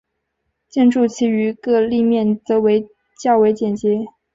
建筑其余各立面则较为简洁。